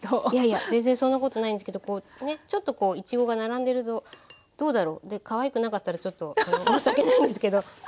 いやいや全然そんなことないんですけどこうねちょっといちごが並んでるとどうだろうかわいくなかったら申し訳ないんですけど。